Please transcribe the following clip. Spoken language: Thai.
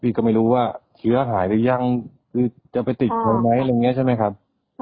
พี่ก็ไม่รู้ว่าเชื้อหายไปยังหรือจะไปติดไหนไหมอะไรเงี้ยใช่ไหมครับ